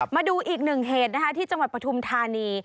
มาดูอีกหนึ่งเหตุนะคะที่จังหวัดปฐุมธานี